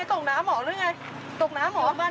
ตกน้ำหรือไงตกน้ำหรอ